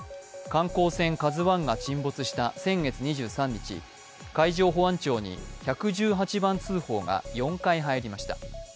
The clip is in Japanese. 観光船「ＫＡＺＵⅠ」が沈没した先月２３日、海上保安庁に１１８番通報が４回入りました。